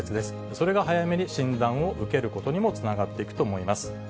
それが早めに診断を受けることにもつながっていくと思います。